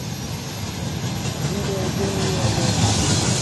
Ng be nggbe nu nyode o.